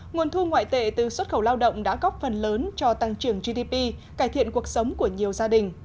nguồn thu ngoại tệ từ xuất khẩu lao động đã góp phần lớn cho tăng trưởng gdp cải thiện cuộc sống của nhiều gia đình